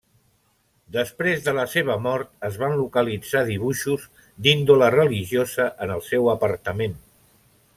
Després de la seva mort, es van localitzar dibuixos d'índole religiosa en el seu apartament.